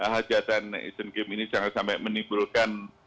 hajatan isen game ini jangan sampai menimbulkan